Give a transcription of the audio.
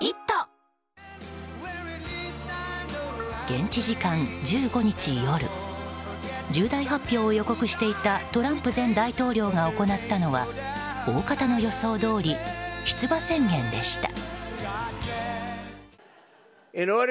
現地時間１５日夜重大発表を予告していたトランプ前大統領が行ったのは大方の予想どおり出馬宣言でした。